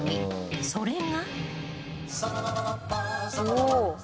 それが。